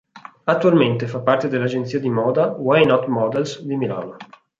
Attualmente fa parte dell'agenzia di moda "Why Not Models" di Milano.